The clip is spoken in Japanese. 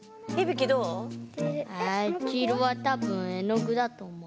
きいろはたぶん絵の具だとおもう。